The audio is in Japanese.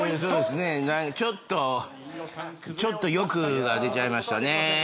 ちょっとちょっと欲が出ちゃいましたね。